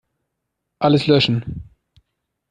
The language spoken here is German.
Alles löschen.